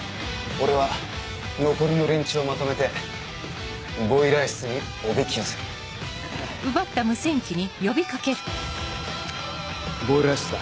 俺は残りの連中をまとめてボイラー室におびき寄せるボイラー室だ。